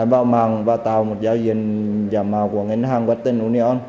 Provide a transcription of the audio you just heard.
em vào mạng và tạo một giao diện giảm mạo của ngân hàng watten union